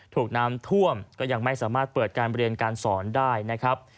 ถูกน้ำท่วมก็ยังไม่สามารถเปิดการเรียนการสอนได้นะครับ